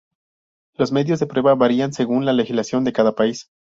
Los medios de prueba varían según la legislación de cada país.